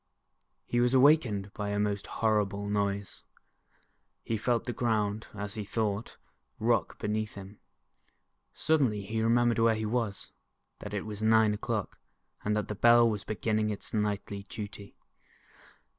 He was awakened by a most horrible noise. He felt the ground, as he thought, rock beneath him. Suddenly he remem bered where he was, that it was nine o'clock, and that the Bell was beginning its nightly duty